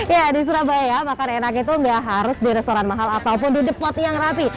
ya di surabaya makan enak itu nggak harus di restoran mahal ataupun di depot yang rapi